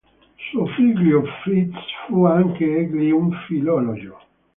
Suo figlio Fritz fu anch'egli un filologo.